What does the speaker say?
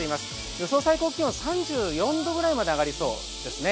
予想最高気温３４度くらいまで上がりそうですね。